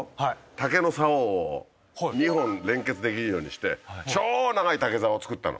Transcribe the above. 竹の竿を２本連結できるようにして超長い竹竿をつくったの。